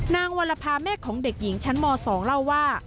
วรภาแม่ของเด็กหญิงชั้นม๒เล่าว่า